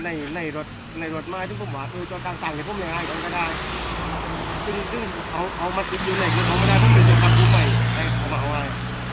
เขาเอามาสืบอยู่แหล่งแล้วเขาไม่ได้พูดถึงจะกับผมไปเอามาหาว่า